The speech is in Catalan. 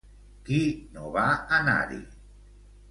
Qui no va anar-hi?